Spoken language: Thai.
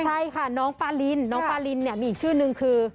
ใช่ค่ะน้องปลารินน้องปลารินมีอีกชื่อหนึ่งคือ